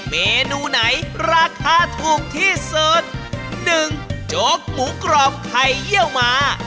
เมนูไหนราคาถูกที่สุดหนึ่งโจ๊กหมูกรอบไข่เยี่ยวหมา